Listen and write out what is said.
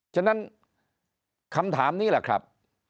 ฉะนั้นคำถามนี้แหละครับ